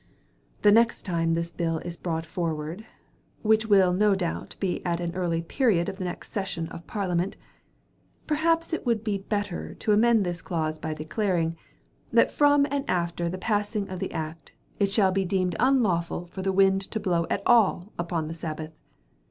The next time this bill is brought forward (which will no doubt be at an early period of the next session of Parliament) perhaps it will be better to amend this clause by declaring, that from and after the passing of the act, it shall be deemed unlawful for the wind to blow at all upon the Sabbath.